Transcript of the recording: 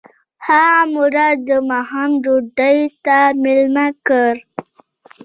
هغه مراد د ماښام ډوډۍ ته مېلمه کړ.